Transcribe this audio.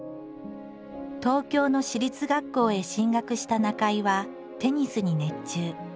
東京の私立学校へ進学した中井はテニスに熱中。